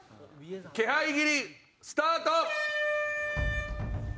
気配斬りスタート！